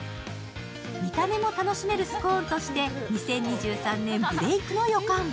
見た目も楽しめるスコーンとして２０２３年ブレイクの予感。